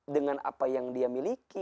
dengan apa yang dia miliki